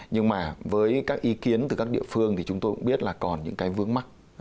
nhưng mà với các ý kiến từ các địa phương thì chúng tôi cũng biết là còn những cái vướng mắt